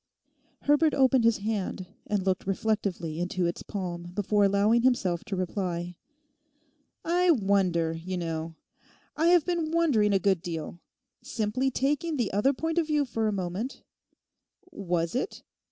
Herbert opened his hand and looked reflectively into its palm before allowing himself to reply. 'I wonder, you know; I have been wondering a good deal; simply taking the other point of view for a moment; was it?